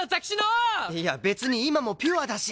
いや別に今もピュアだし！